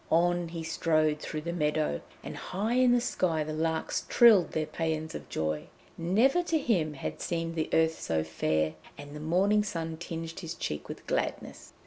On he strode through the meadow, and high in the sky the larks trilled their pæans of joy. Never to him had seemed the earth so fair, and the morning sun tinged his cheek with gladness.